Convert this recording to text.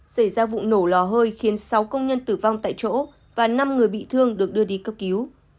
xảy ra vụ nổ lò hơi khiến sáu công nhân tử vong tại chỗ và năm người bị thương được đưa đi cấp cứu